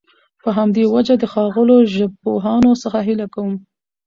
په همدي وجه د ښاغلو ژبپوهانو څخه هيله کوم